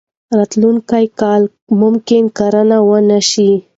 راتلونکی کال ممکن کرنه ونه شي.